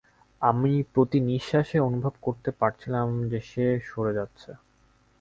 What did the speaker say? আমি প্রতি নিঃশ্বাসে অনুভব করতে পারছিলাম যে সে সরে যাচ্ছে।